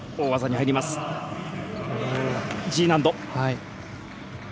Ｇ難度。